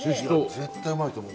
絶対うまいと思う。